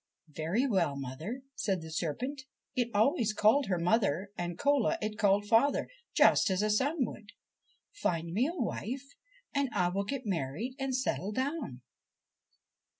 'Very well, mother,' said the serpent it always called her mother, and Cola it called father, just as a son would. ' Find me a wife and I will get married and settle down.'